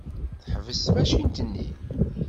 Teḥbes tamacint-nni.